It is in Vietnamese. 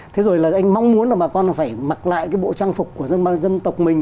thế rồi là anh mong muốn là bà con phải mặc lại cái bộ trang phục của dân tộc mình